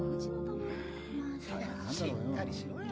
しっかりしろよ。